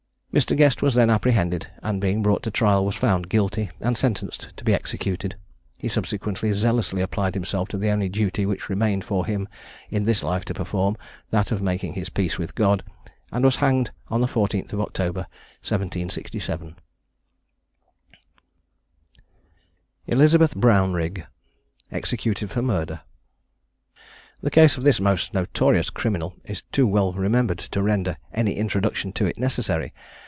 Mr. Guest was then apprehended, and being brought to trial, was found guilty, and sentenced to be executed. He subsequently zealously applied himself to the only duty which remained for him in this life to perform that of making his peace with God, and was hanged on the 14th of October, 1767. ELIZABETH BROWNRIGG. EXECUTED FOR MURDER. The case of this most notorious criminal is too well remembered to render any introduction to it necessary.